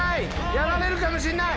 やられるかもしんない！